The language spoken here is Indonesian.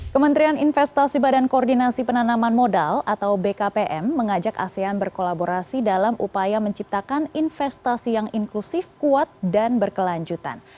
kementerian investasi badan koordinasi penanaman modal atau bkpm mengajak asean berkolaborasi dalam upaya menciptakan investasi yang inklusif kuat dan berkelanjutan